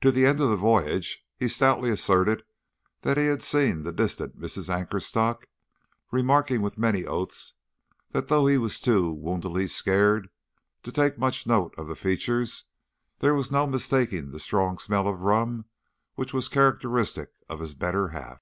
To the end of the voyage he stoutly asserted that he had seen the distant Mrs. Anchorstock, remarking with many oaths that though he was too woundily scared to take much note of the features, there was no mistaking the strong smell of rum which was characteristic of his better half.